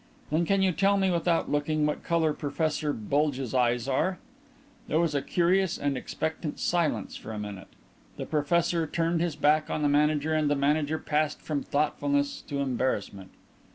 "Then can you tell me, without looking, what colour Professor Bulge's eyes are?" There was a curious and expectant silence for a minute. The professor turned his back on the manager and the manager passed from thoughtfulness to embarrassment.